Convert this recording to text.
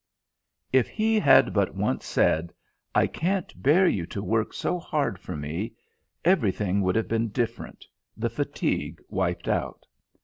If he had but once said, "I can't bear you to work so hard for me," everything would have been different, the fatigue wiped out.